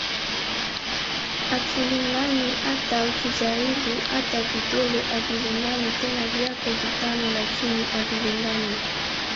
"Hatulingani, hata ukijaribu, hata vidole havilingani, tena vyako vitano lakini havilingani"